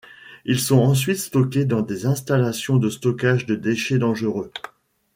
Ils sont ensuite stockés dans des installations de stockage de déchets dangereux.